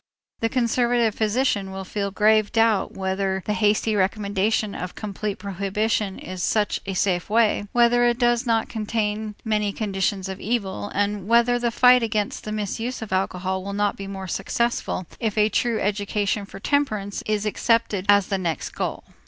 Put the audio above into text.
The conservative physician will feel grave doubt whether the hasty recommendation of complete prohibition is such a safe way, whether it does not contain many conditions of evil, and whether the fight against the misuse of alcohol will not be more successful if a true education for temperance is accepted as the next goal.